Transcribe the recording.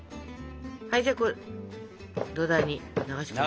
はいじゃあ土台に流し込みます。